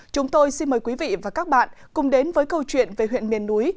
chúng tôi xin mời quý vị và các bạn cùng đến với câu chuyện về huyện miền núi